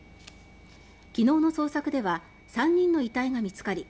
昨日の捜索では３人の遺体が見つかり